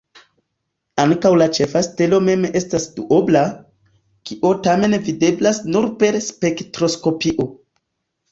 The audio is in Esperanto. Ankaŭ la ĉefa stelo mem estas duobla, kio tamen videblas nur per spektroskopio.